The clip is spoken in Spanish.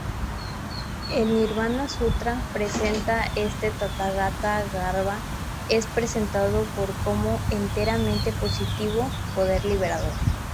El "Nirvana sutra" presenta este tathagata-garbha es presentado por como enteramente positivo, poder liberador.